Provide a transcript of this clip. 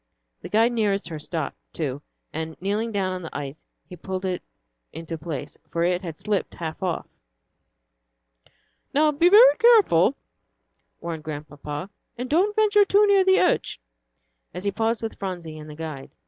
The guide nearest her stopped, too, and kneeling down on the ice, he pulled it into place, for it had slipped half off. "Now be very careful," warned Grandpapa, "and don't venture too near the edge," as he paused with Phronsie and the guide.